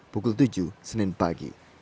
pukul tujuh senin pagi